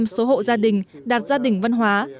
chín mươi hai năm số hộ gia đình đạt gia đình văn hóa